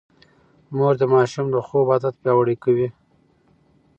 مور د ماشوم د خوب عادت پياوړی کوي.